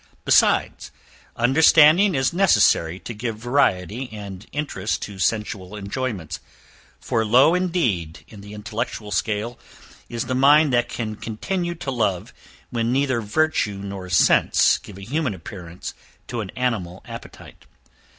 Besides, understanding is necessary to give variety and interest to sensual enjoyments, for low, indeed, in the intellectual scale, is the mind that can continue to love when neither virtue nor sense give a human appearance to an animal appetite.